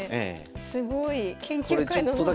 すごい。研究会のノート。